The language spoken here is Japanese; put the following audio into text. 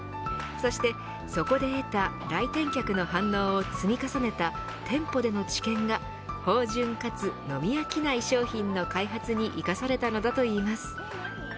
そして、そこで得た来店客の反応を積み重ねた店舗での知見が豊潤かつ飲み飽きない商品の開発に生かされたのだといいます。